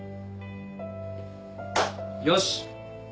よし！